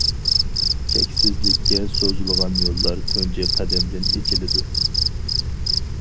چەكسىزلىككە سوزۇلغان يوللار تۇنجى قەدەمدىن ئېچىلىدۇ.